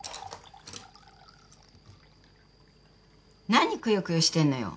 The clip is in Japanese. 何くよくよしてんのよ。